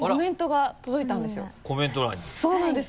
そうなんです。